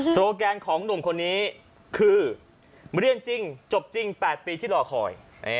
โลแกนของหนุ่มคนนี้คือเรียนจริงจบจริง๘ปีที่รอคอย